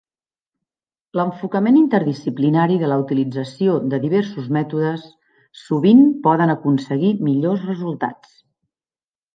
L'enfocament interdisciplinari de la utilització de diversos mètodes sovint poden aconseguir millors resultats.